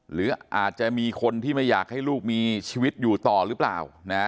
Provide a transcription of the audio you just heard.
หรืออาจจะมีคนที่ไม่อยากให้ลูกมีชีวิตอยู่ต่อหรือเปล่า